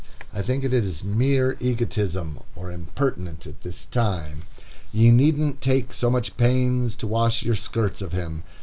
I think it is mere egotism, or impertinent at this time. Ye needn't take so much pains to wash your skirts of him.